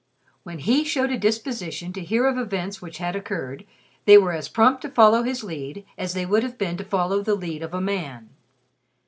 When he showed a disposition to hear of events which had occurred, they were as prompt to follow his lead as they would have been to follow the lead of a man.